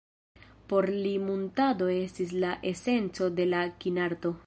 Por li muntado estis la esenco de la kinarto.